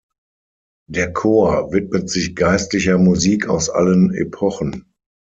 Der Chor widmet sich geistlicher Musik aus allen Epochen.